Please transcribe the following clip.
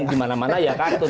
di mana mana ya kartun